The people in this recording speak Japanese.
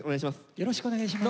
よろしくお願いします。